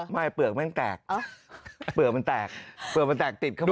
ไม่เปลือกแม่งแตกเกิดเปลือกแตกจิดเข้าไป